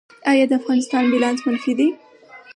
آیا د افغانستان بیلانس منفي دی؟